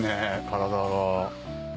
体が。